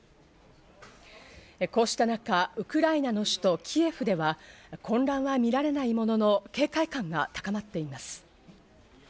こうした中、ウクライナの首都キエフでは、混乱は見られないものの、警戒感が高まっています。